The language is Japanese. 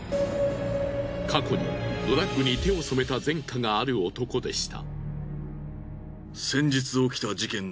過去にドラッグに手を染めた前科がある男でした。